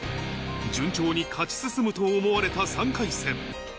順調に勝ち進むと思われた３回戦。